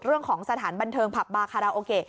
เรื่องของสถานบันเทิงผับบาคาราโอเกะ